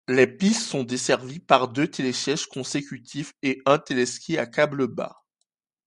Les pistes sont desservies par deux télésièges consécutifs et un téléski à câble bas.